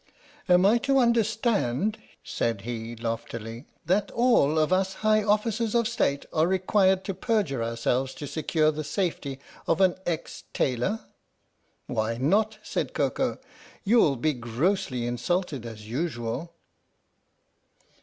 "Am I to understand," said he loftily, "that all of us High Officers of State are required to perjure ourselves to secure the safety of an ex tailor? " "Why not?" said Koko. "You'll be grossly in sulted as usual."